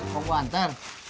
kok gue antar